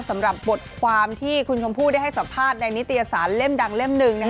สำหรับบทความที่คุณชมพู่ได้ให้สัมภาษณ์ในนิตยสารเล่มดังเล่มหนึ่ง